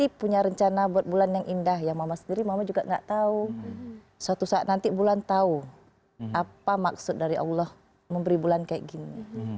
tapi punya rencana buat bulan yang indah ya mama sendiri mama juga gak tahu suatu saat nanti bulan tahu apa maksud dari allah memberi bulan kayak gini